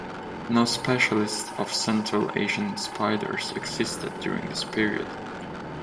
No specialists of Central Asian spiders existed during this period.